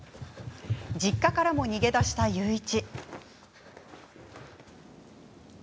実家からも逃げ出した裕一。